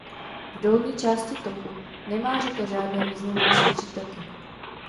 V dolní části toku nemá řeka žádné významnější přítoky.